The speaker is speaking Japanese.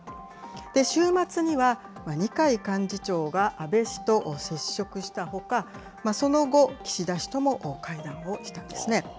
週末には二階幹事長が安倍氏と接触したほか、その後、岸田氏とも会談をしたんですね。